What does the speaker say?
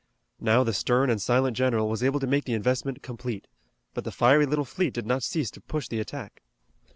Now the stern and silent general was able to make the investment complete, but the fiery little fleet did not cease to push the attack.